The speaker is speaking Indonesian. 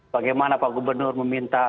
bagaimana pak gubernur meminta